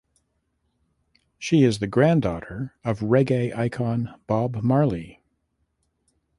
She is the granddaughter of reggae icon Bob Marley.